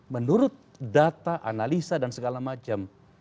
menurut data analisa dan segala macam